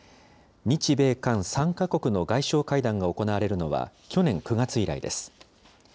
日米韓３か国の外相会談が行われるのは去年９月以来です。